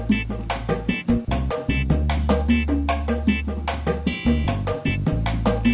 biar kalian bisa dasar banget ini